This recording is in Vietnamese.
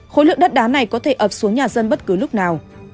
khối lượng đất đá này có thể ập xuống nhà dân bất cứ lúc nào